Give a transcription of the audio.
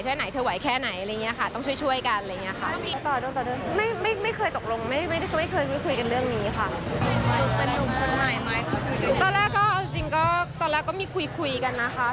ตอนแรกก็จริงก็มีคุยกันนะคะ